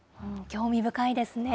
興味深いですね。